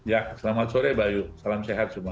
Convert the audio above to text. ya selamat sore mbak ayu salam sehat semuanya